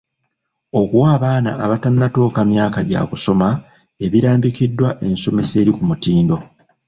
Okuwa abaana abatannatuuka myaka gya kusoma ebirambikiddwa ensomesa eri ku mutindo.